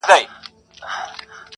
واده يم، خبره نه يم چي په چا يم.